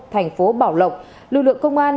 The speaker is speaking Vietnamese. thành phố bảo lộc lưu lượng công an